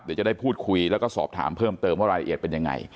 เดี๋ยวจะได้พูดคุยแล้วก็สอบถามเพิ่มเติมว่ารายละเอียดเป็นยังไง